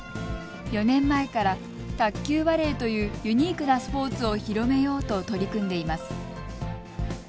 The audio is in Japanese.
４年前から卓球バレーというユニークなスポーツを広めようと取り組んでいます。